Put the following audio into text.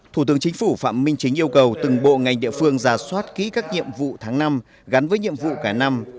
thủ tướng chính phủ phạm minh chính yêu cầu từng bộ ngành địa phương ra soát ký các nhiệm vụ tháng năm gắn với nhiệm vụ cả năm